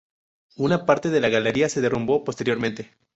Una parte de la galería se derrumbó posteriormente.